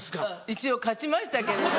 一応勝ちましたけれど。